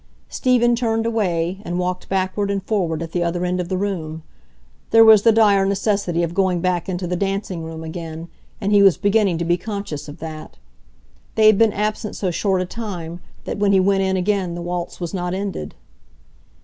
Stephen turned away, and walked backward and forward at the other end of the room. There was the dire necessity of going back into the dancing room again, and he was beginning to be conscious of that. They had been absent so short a time, that when he went in again the waltz was not ended.